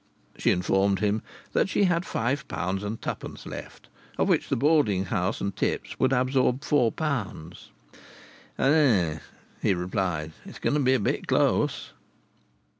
She informed him that she had five pounds and twopence left, of which the boarding house and tips would absorb four pounds. "H'm!" he replied. "It's going to be a bit close."